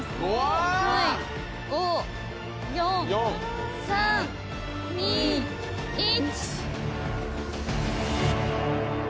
５４３２１